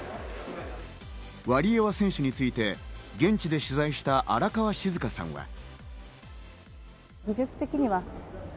ワリエワ選手について、現地で取材した荒川静香さんは。